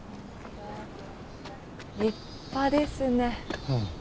立派ですね。